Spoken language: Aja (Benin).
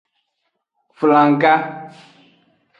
Flangga.